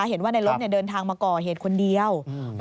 เหมือนว่านายลบเนี่ยเดินทางมาก่อเหตุคนเดียว